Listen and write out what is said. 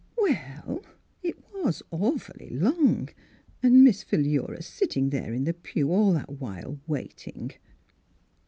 " Well, it was — awfully long, and Miss Philura sitting there in the pew all that while, waiting